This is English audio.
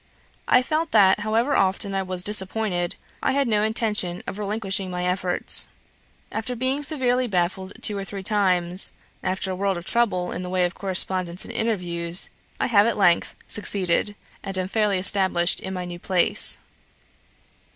I felt that however often I was disappointed, I had no intention of relinquishing my efforts. After being severely baffled two or three times, after a world of trouble, in the way of correspondence and interviews, I have at length succeeded, and am fairly established in my new place.